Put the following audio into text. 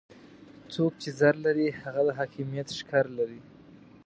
څوک چې زر لري هغه د حاکميت ښکر لري.